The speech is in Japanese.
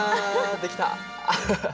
できた！